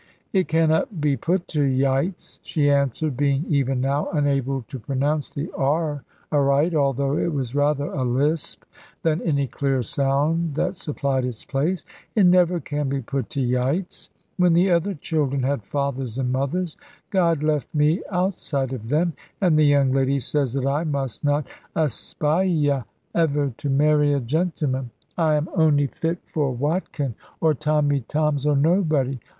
"It cannot be put to yights," she answered, being even now unable to pronounce the r aright, although it was rather a lisp than any clear sound that supplied its place; "it never can be put to yights: when the other children had fathers and mothers, God left me outside of them; and the young lady says that I must not aspiya ever to marry a gentleman. I am ony fit for Watkin, or Tommy Toms, or nobody!